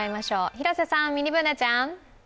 広瀬さん、ミニＢｏｏｎａちゃん。